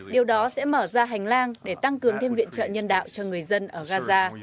điều đó sẽ mở ra hành lang để tăng cường thêm viện trợ nhân đạo cho người dân ở gaza